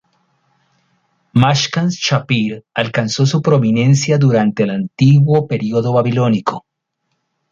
Mashkan-shapir alcanzó su prominencia durante el antiguo período babilónico.